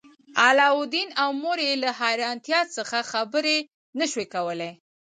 علاوالدین او مور یې له حیرانتیا څخه خبرې نشوای کولی.